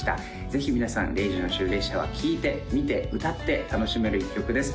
ぜひ皆さん「０時の終列車」は聴いて見て歌って楽しめる一曲です